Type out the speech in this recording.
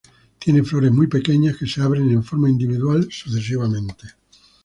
Tiene flores muy pequeñas que se abren en forma individual sucesivamente.